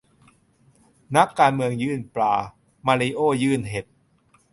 นักการเมืองยื่นปลา มาริโอ้ยื่นเห็ด ?